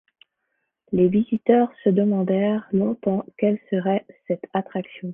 Les visiteurs se demandèrent longtemps quelle serait cette attraction.